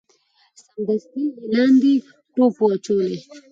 سمدستي یې لاندي ټوپ وو اچولی